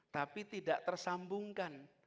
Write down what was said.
tapi tidak tersambungkan